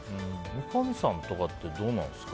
三上さんとかってどうなんですか？